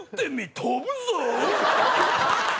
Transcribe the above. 飛ぶぞ！